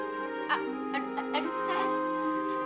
aduh aduh aduh ses